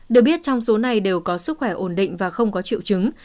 được biết trong số này đều có sức khỏe ổn định và không có triệu chứng